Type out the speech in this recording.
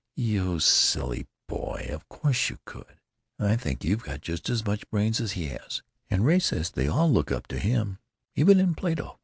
"You silly boy, of course you could. I think you've got just as much brains as he has, and Ray says they all look up to him even in Plato.